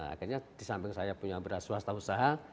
akhirnya di samping saya punya beras swasta usaha